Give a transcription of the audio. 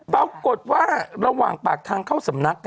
ปรากฏว่าระหว่างปากทางเข้าสำนัก